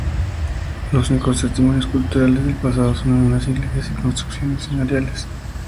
Los únicos testimonios culturales del pasado son algunas iglesias y construcciones señoriales.